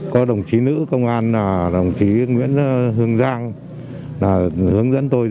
có đồng chí nữ công an đồng chí nguyễn hương giang hướng dẫn tôi